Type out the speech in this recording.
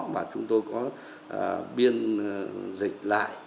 mà chúng tôi có biên dịch lại